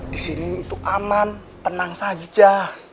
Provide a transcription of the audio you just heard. disini itu aman tenang saja